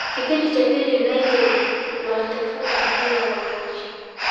Kipindi cha pili United waliutafuta mpira kwa tochi